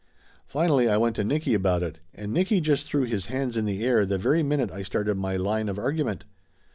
Finally I went to Nicky about it, and Nicky just threw his hands in the air the very minute I started my line of argument.